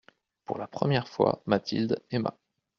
Pour la première fois Mathilde aima.